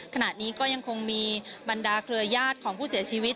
ขณะนี้ก็ยังคงมีบรรดาเครือญาติของผู้เสียชีวิต